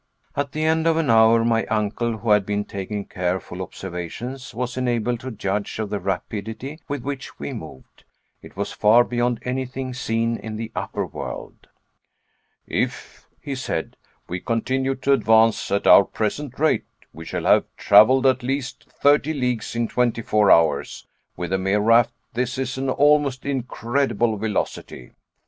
At the end of an hour, my uncle, who had been taking careful observations, was enabled to judge of the rapidity with which we moved. It was far beyond anything seen in the upper world. "If," he said, "we continue to advance at our present rate, we shall have traveled at least thirty leagues in twenty four hours. With a mere raft this is an almost incredible velocity."